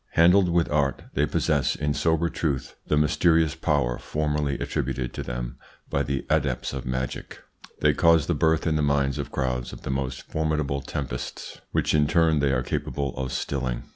Handled with art, they possess in sober truth the mysterious power formerly attributed to them by the adepts of magic. They cause the birth in the minds of crowds of the most formidable tempests, which in turn they are capable of stilling.